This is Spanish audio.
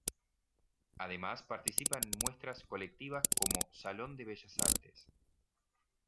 Además participa en muestras colectivas como Salón de Bellas Artes.